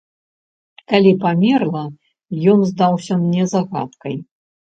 Калі памерла, ён здаўся мне загадкай.